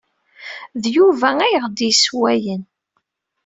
D Yuba ay aɣ-d-yessewwayen.